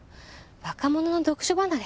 若者の読書離れ？